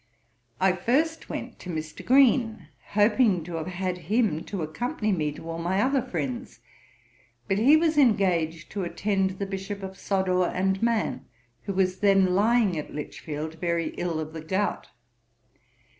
I first went to Mr. Green, hoping to have had him to accompany me to all my other friends, but he was engaged to attend the Bishop of Sodor and Man, who was then lying at Lichfield very ill of the gout.